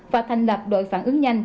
và thành lập đội phản ứng nhanh